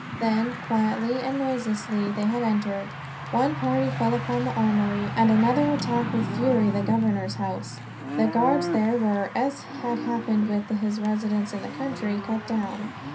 Then, quietly and noiselessly, they had entered. One party fell upon the armory, and another attacked with fury the governor's house. The guards there were, as had happened with his residence in the country, cut down.